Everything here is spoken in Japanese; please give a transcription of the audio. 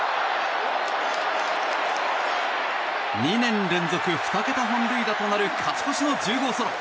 ２年連続２桁本塁打となる勝ち越しの１０号ソロ。